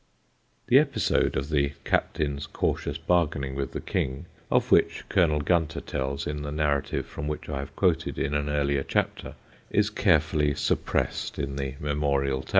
The episode of the captain's cautious bargaining with the King, of which Colonel Gunter tells in the narrative from which I have quoted in an earlier chapter, is carefully suppressed on the memorial tablet.